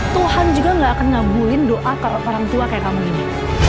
tuhan juga gak akan ngabulin doa orang tua kayak kamu ini